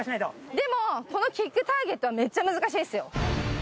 でもこのキックターゲットはめっちゃ難しいですよ。